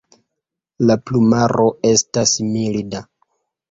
La plumaro estas milda.